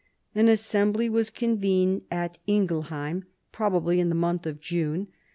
An assembly was convened at Ingelheim, probably in the month of June.